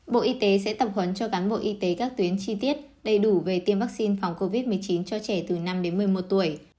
bộ y tế sẽ tập huấn cho cán bộ y tế các tuyến chi tiết đầy đủ về tiêm vaccine phòng covid một mươi chín cho trẻ từ năm đến một mươi một tuổi